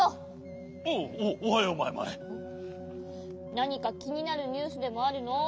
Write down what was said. なにかきになるニュースでもあるの？